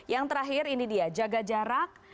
yang terakhir ini dia jaga jarak